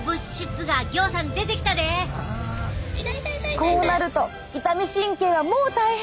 こうなると痛み神経はもう大変！